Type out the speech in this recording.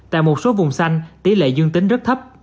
tại một số vùng xanh tỷ lệ dương tính rất thấp